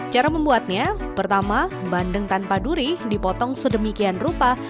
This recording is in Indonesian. cara membuatnya pertama bandeng tanpa duri dipotong sedemikian rupa